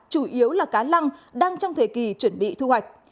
chủ yếu là cá lăng đang trong thời kỳ chuẩn bị thu hoạch